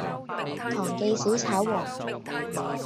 堂記小炒皇